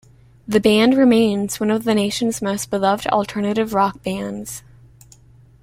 The band remains one of the nation's most beloved alternative-rock bands.